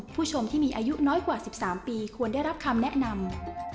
ผู้ชมที่มีอายุน้อยกว่า๑๓ปีควรได้รับคำแนะนำ